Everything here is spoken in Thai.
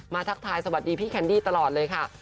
ทักทายสวัสดีพี่แคนดี้ตลอดเลยค่ะ